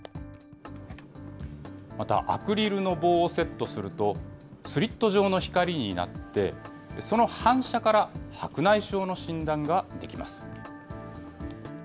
また、アクリルの棒をセットすると、スリット状の光になって、その反射から白内障の診断ができます。